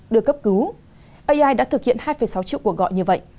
đưa cấp cứu ai đã thực hiện hai sáu triệu cuộc gọi như vậy